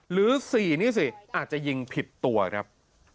หรือ๔นี่สิอาจจะยิงผิดตัวครับ